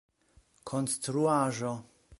konstruaĵo